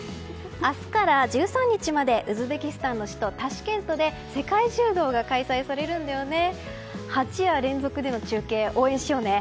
明日から１３日までウズベキスタンの首都タシケントで世界柔道が開催されるんだよね。